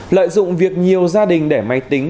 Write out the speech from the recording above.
lợi dụng việc nhiều gia đình để máy tính